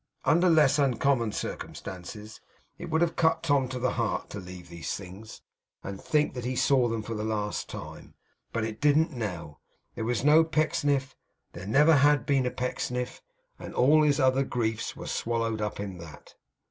Under less uncommon circumstances, it would have cut Tom to the heart to leave these things and think that he saw them for the last time; but it didn't now. There was no Pecksniff; there never had been a Pecksniff; and all his other griefs were swallowed up in that.